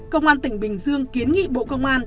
công an tỉnh bình dương kiến nghị bộ công an